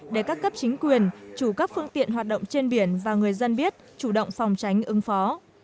để các cấp chính quyền chủ các phương tiện hoạt động trên biển và người dân biết chủ động phòng tránh ứng phó